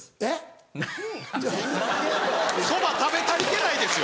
そば食べ足りてないですよ。